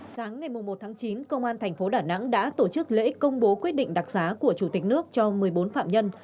sáng ngày một tháng chín công an thành phố đà nẵng đã tổ chức lễ công bố quyết định đặc giá của chủ tịch nước cho một mươi bốn phạm nhân